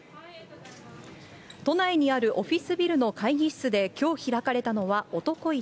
都内にあるオフィスビルの会議室できょう開かれたのは男市。